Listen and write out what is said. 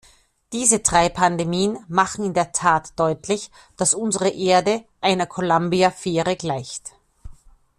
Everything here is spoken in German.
Diese drei Pandemien machen in der Tat deutlich, dass unsere Erde einer Columbia-Fähre gleicht.